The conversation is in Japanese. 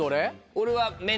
俺は。